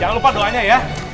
jangan lupa doanya ya